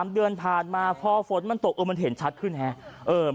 ๓เดือนผ่านมาพอฝนมันตกมันเห็นชัดขึ้นครับ